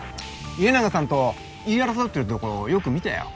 家長さんと言い争ってるところをよく見たよ。